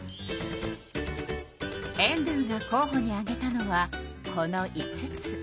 エンドゥが候ほに挙げたのはこの５つ。